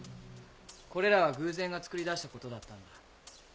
これらは偶然がつくり出したことだったんだ。